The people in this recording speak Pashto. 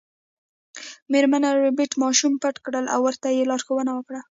میرمن ربیټ ماشومان پټ کړل او ورته یې لارښوونه وکړه